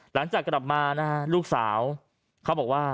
หลังจากกลับมานะฮะลูกสาวเขาบอกว่า